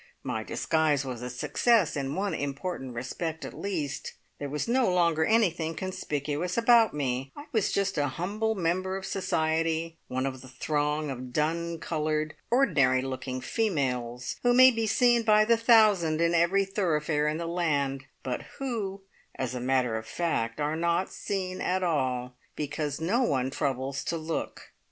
My disguise was a success in one important respect at least there was no longer anything conspicuous about me; I was just a humble member of society, one of the throng of dun coloured, ordinary looking females, who may be seen by the thousand in every thoroughfare in the land, but who, as a matter of fact, are not seen at all, because no one troubles to look.